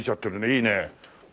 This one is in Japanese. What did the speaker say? いいね。